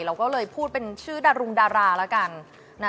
เราก็เลยพูดเป็นชื่อดารุงดาราแล้วกัน